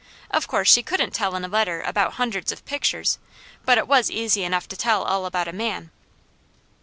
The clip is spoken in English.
Of course she couldn't tell in a letter about hundreds of pictures, but it was easy enough to tell all about a man.